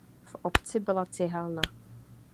V obci byla cihelna.